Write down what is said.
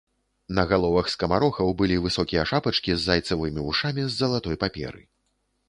На галовах скамарохаў былі высокія шапачкі з зайцавымі вушамі з залатой паперы.